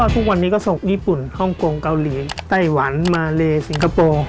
ทุกวันนี้ก็ส่งญี่ปุ่นฮ่องกงเกาหลีไต้หวันมาเลสิงคโปร์